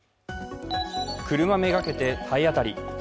車目がけて体当たり。